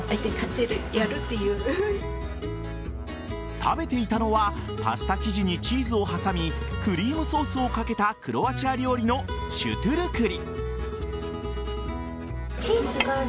食べていたのはパスタ生地にチーズを挟みクリームソースをかけたクロアチア料理のシュトゥルクリ。